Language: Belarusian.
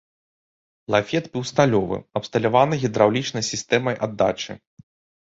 Лафет быў сталёвы, абсталяваны гідраўлічнай сістэмай аддачы.